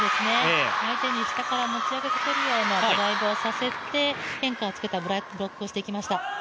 相手に下から持ち上げさせるようなドライブをさせて変化をつけたブロックをしていきました。